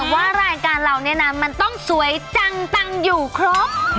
ว่ารายการเราเนี่ยนะมันต้องสวยจังตังอยู่ครบ